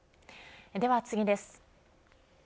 では次です。